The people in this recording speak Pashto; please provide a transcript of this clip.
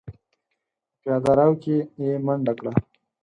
په پياده رو کې يې منډه کړه.